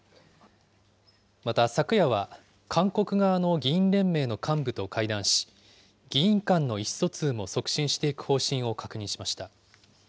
また昨夜は、韓国側の議員連盟の幹部と会談し、議員間の意思疎通も促進していく方針を確認しました。